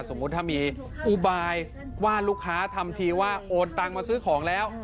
สมมุติถ้ามีอุบายว่าลูกค้าทำทีว่าโอนตังมาซื้อของแล้ว